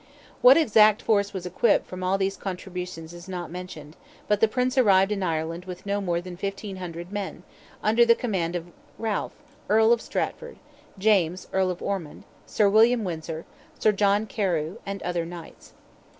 What exact force was equipped from all these contributions is not mentioned; but the Prince arrived in Ireland with no more than 1,500 men, under the command of Ralph, Earl of Strafford, James, Earl of Ormond, Sir William Windsor, Sir John Carew, and other knights.